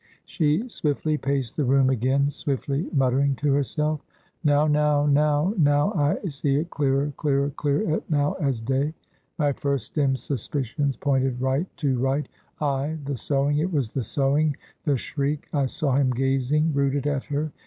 She swiftly paced the room again, swiftly muttering to herself. "Now, now, now, now I see it clearer, clearer clear now as day! My first dim suspicions pointed right! too right! Ay the sewing! it was the sewing! The shriek! I saw him gazing rooted at her.